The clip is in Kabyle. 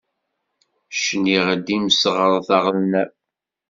Cniɣ-d imseɣret aɣelnaw.